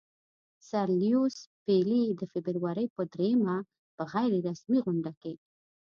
سر لیویس پیلي د فبرورۍ پر دریمه په غیر رسمي غونډه کې.